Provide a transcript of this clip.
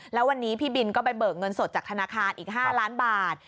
แล้ววันนี้พี่บินก็ไปเบิกเงินสดจากธนาคารอีก๕ล้านบาท